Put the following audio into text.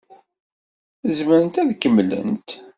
Zemrent ad kemmlent?